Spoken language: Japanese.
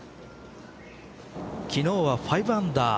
昨日は５アンダー